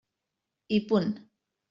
I punt.